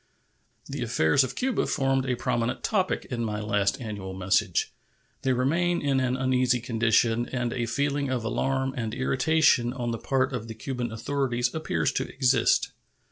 The affairs of Cuba formed a prominent topic in my last annual message. They remain in an uneasy condition, and a feeling of alarm and irritation on the part of the Cuban authorities appears to exist.